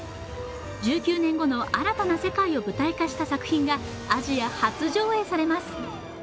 １９年後の新たな世界を舞台化した作品がアジア初上演されます。